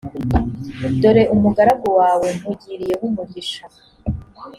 dore umugaragu wawe nkugiriyeho umugisha